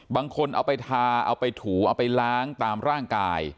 บางคนเอาไปทาเอาไปถูเอาไปล้างตามร่างกาย